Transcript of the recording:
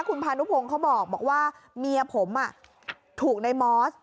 คุณพานุพงศ์เขาบอกว่าเมียผมถูกในมอส